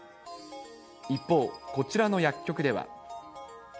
一方、こちらの薬局では。